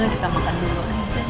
kita makan dulu